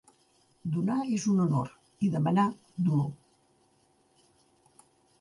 Donar és un honor i demanar, dolor.